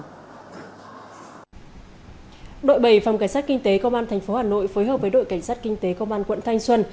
đội bảy phòng cảnh sát kinh tế công an tp hà nội phối hợp với đội cảnh sát kinh tế công an quận thanh xuân